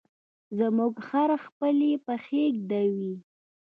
زموږ خر خپلې پښې ږدوي.